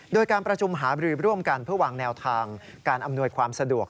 โดยการประชุมหาบรือร่วมกันเพื่อวางแนวทางการอำนวยความสะดวก